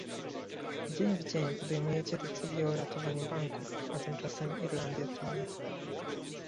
Dzień w dzień podejmujecie decyzje o ratowaniu banków, a tymczasem Irlandia tonie